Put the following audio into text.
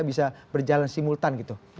bisa berjalan simultan